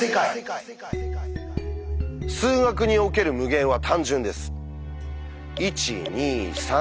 数学における「無限」は単純です。